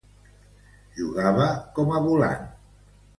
Jugava com a volant.